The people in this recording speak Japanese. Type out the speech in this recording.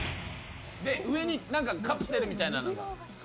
上にカプセルみたいなのが。